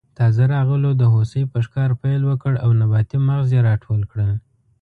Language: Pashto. تازه راغلو د هوسۍ په ښکار پیل وکړ او نباتي مغز یې راټول کړل.